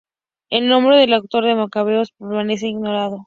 El nombre del autor de I Macabeos permanece ignorado.